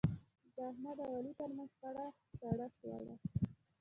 د احمد او علي ترمنځ شخړه سړه شوله.